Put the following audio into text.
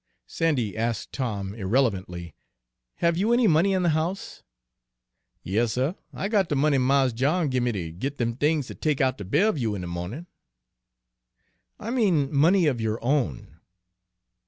"Sandy," asked Tom irrelevantly, "have you any money in the house?" "Yas, suh, I got de money Mars John give me ter git dem things ter take out ter Belleview in de mawnin." "I mean money of your own."